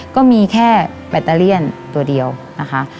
ก็มีแค่แบตเตอเลี่ยนตัวเดียวนะคะ